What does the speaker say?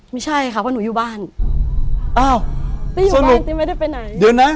ไม่ใช่ค่ะเพราะหนูอยู่บ้านอ้าวตี้อยู่บ้านติไม่ได้ไปไหนเดี๋ยวนะ